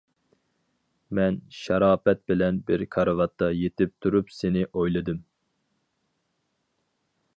مەن شاراپەت بىلەن بىر كارىۋاتتا يېتىپ تۇرۇپ سېنى ئويلىدىم.